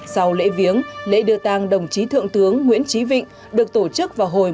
sau lễ viếng lễ đưa tang đồng chí thượng tướng nguyễn trí vịnh được tổ chức vào hồi